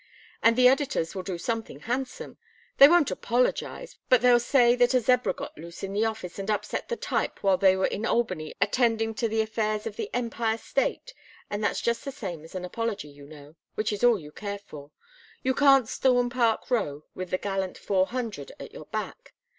And the editors will do something handsome. They won't apologize, but they'll say that a zebra got loose in the office and upset the type while they were in Albany attending to the affairs of the Empire State and that's just the same as an apology, you know, which is all you care for. You can't storm Park Row with the gallant Four Hundred at your back.